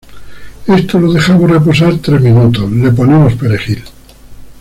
esto lo dejamos reposar tres minutos, le ponemos perejil